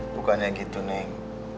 bukannya gitu neng